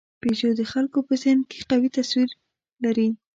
پيژو د خلکو په ذهن کې قوي تصور لري.